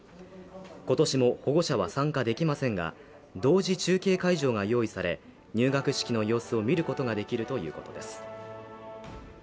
今年も保護者は参加できませんが、同時中継会場が用意され、入学式の様子を見ることができるということです。